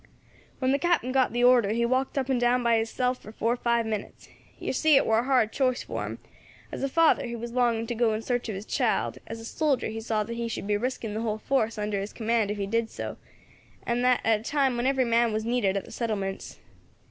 "When the Captain got the order he walked up and down by hisself for four or five minutes. Yer see it war a hard choice for him; as a father he was longing to go in search of his child, as a soldier he saw that he should be risking the whole force under his command if he did so, and that at a time when every man was needed at the settlements.